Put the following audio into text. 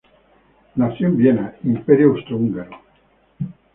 Ella nació en Viena, Imperio austrohúngaro.